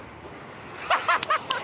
ハハハハ！